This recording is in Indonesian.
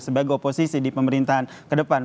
sebagai oposisi di pemerintahan kedepan